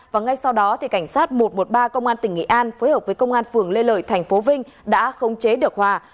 và ngay sau đó cảnh sát một trăm một mươi ba công an tỉnh nghệ an phối hợp với công an phường lê lợi thành phố vinh đã khống chế được hòa